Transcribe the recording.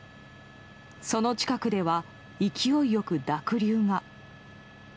その近くでは勢いよく濁流が。